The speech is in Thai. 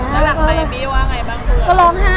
แล้วหลังใบพี่ว่าไงบ้างคือ